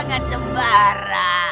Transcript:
dari tangan sembarang